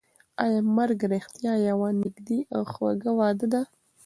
ایا مرګ رښتیا یوه نږدې او خوږه وعده ده؟